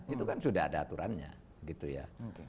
itu kan sudah ada aturannya gitu ya